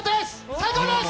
最高です！